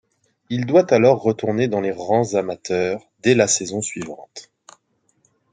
Il doit alors retourner dans les rangs amateurs dès la saison suivante.